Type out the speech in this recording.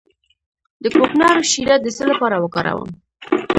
د کوکنارو شیره د څه لپاره وکاروم؟